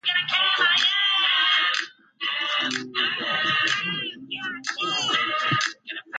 The outer walls were stone masonry construction, two feet thick.